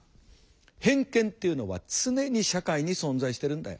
「偏見っていうのは常に社会に存在しているんだよ。